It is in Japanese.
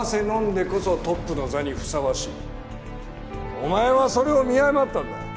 お前はそれを見誤ったんだ。